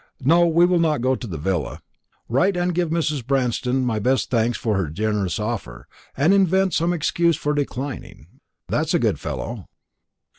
No; we will not go to the villa. Write and give Mrs. Branston my best thanks for the generous offer, and invent some excuse for declining it; that's a good fellow."